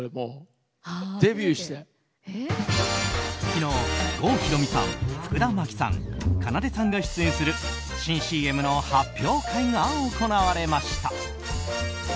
昨日、郷ひろみさん福田麻貴さん、かなでさんが出演する新ＣＭの発表会が行われました。